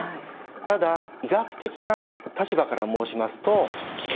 ただ医学的な立場から申しますと危険と感じます。